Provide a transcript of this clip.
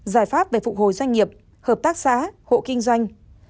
giải pháp về phụ hồi doanh nghiệp hợp tác xã hộ kinh doanh